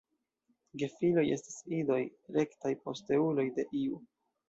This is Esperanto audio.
Gefiloj estas idoj, rektaj posteuloj de iu.